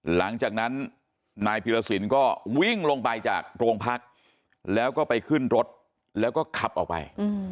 หลังจากนั้นนายพิรสินก็วิ่งลงไปจากโรงพักแล้วก็ไปขึ้นรถแล้วก็ขับออกไป